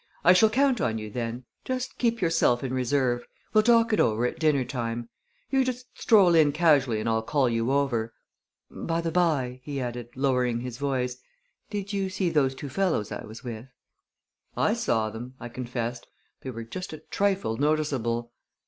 I shall count on you then. Just keep yourself in reserve. We'll talk it over at dinner time. You just stroll in casually and I'll call you over. By the by," he added, lowering his voice, "did you see those two fellows I was with?" "I saw them!" I confessed. "They were just a trifle noticeable." Mr.